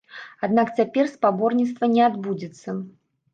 Аднак цяпер спаборніцтва не адбудзецца.